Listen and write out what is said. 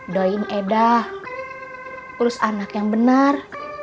doin eda urus anak yang benar